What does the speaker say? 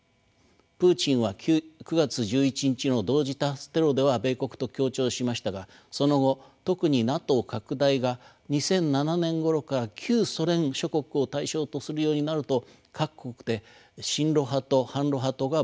プーチンは９月１１日の同時多発テロでは米国と協調しましたがその後特にＮＡＴＯ拡大が２００７年ごろから旧ソ連諸国を対象とするようになると各国で親ロ派と反ロ派とが分裂するようになります。